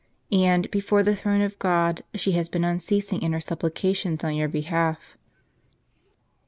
And, before the throne of God, she has been unceasing in her supplica tions on your behalf."